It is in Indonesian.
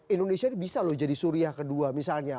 indonesia ini bisa loh jadi suriah kedua misalnya